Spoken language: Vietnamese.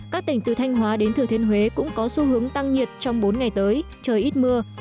các tỉnh từ thanh hóa đến thừa thiên huế cũng có xu hướng tăng nhiệt trong bốn ngày tới trời ít mưa